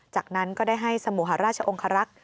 จากนั้นก็ได้ให้สมุหาราชองคารักษ์